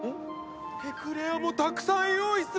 エクレアもたくさん用意すべきだ！